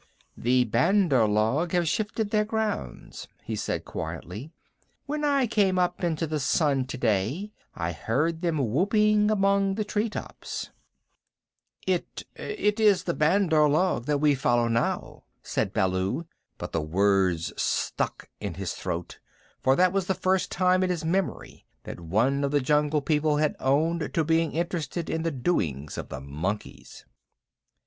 "The Bandar log have shifted their grounds," he said quietly. "When I came up into the sun today I heard them whooping among the tree tops." "It it is the Bandar log that we follow now," said Baloo, but the words stuck in his throat, for that was the first time in his memory that one of the Jungle People had owned to being interested in the doings of the monkeys.